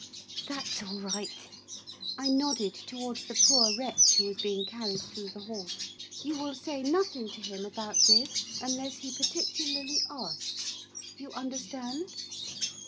'That's all right.' I nodded towards the poor wretch who was being carried through the hall. 'You will say nothing to him about this unless he particularly asks. You understand?